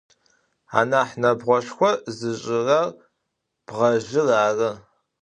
Anah nebğoşşxo zış'ırer bğezjır arı.